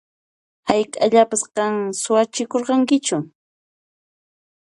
Hayk'aqllapas qan suwachikurqankichu?